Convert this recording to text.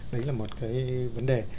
đấy là một cái vấn đề